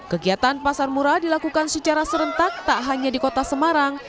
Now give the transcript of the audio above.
kegiatan pasar murah dilakukan secara serentak tak hanya di kota semarang